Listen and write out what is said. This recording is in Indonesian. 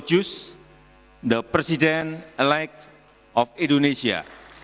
yang berada di indonesia